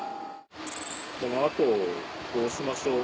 この後どうしましょう？